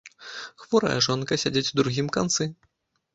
Хворая жонка сядзіць у другім канцы.